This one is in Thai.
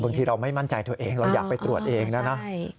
บางทีเราไม่มั่นใจตัวเองเราอยากไปตรวจเองแล้วนะ